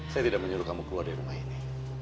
saya tidak menyuruh kamu keluar dari rumah ini